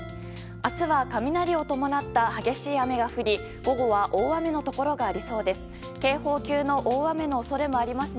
明日は、雷を伴った激しい雨が降り午後は大雨のところがありそうです。